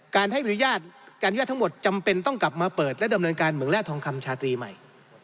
การให้บริยาททั้งหมดจำเป็นต้องกลับมาเปิดและดำเนินการมึงแร่ทองคำชาตรีใหม่